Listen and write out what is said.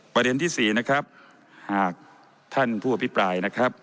ประเด็นที่๔หากท่านผู้อภิปราย